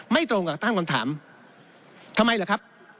ไม่ตรงกับต้านคำถามทำไมหรือครับ